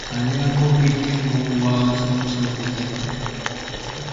A rare coffee table was also designed.